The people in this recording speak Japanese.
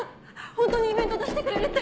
ホントにイベント出してくれるって。